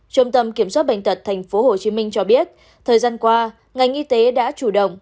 trung tâm kiểm soát bệnh tật tp hcm cho biết thời gian qua ngành y tế đã chủ động